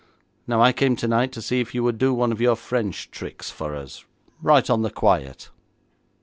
Now I came tonight to see if you would do one of your French tricks for us, right on the quiet.'